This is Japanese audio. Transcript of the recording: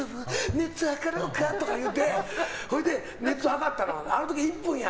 熱測ろうか？とか言うてほいで、熱はかったのあの時１分や。